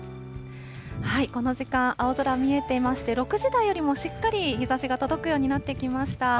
この時間、青空見えていまして、６時台よりもしっかり日ざしが届くようになってきました。